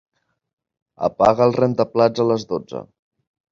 Apaga el rentaplats a les dotze.